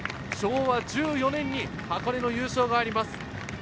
昭和１４年に箱根の優勝があります。